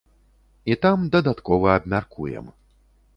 І там дадаткова абмяркуем.